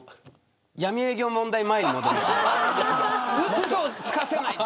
闇営業問題前に戻りたい。